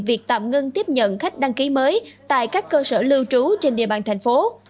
việc tạm ngưng tiếp nhận khách đăng ký mới tại các cơ sở lưu trú trên địa bàn thành phố